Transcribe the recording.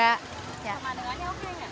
pemandangannya oke gak